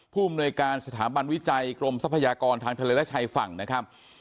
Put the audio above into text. ผู้อำนวยการสถาบันวิจัยกรมทรัพยากรทางทะเลและชายฝั่งนะครับ